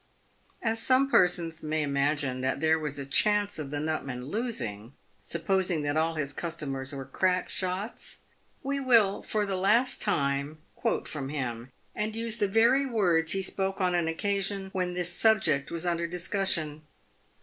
As some persons may imagine that there was a chance of the nut man losing — supposing that all his customers were crack shots — we will, for the last time, quote from him, and use the very words he spoke on an occasion when this subject was under discussion.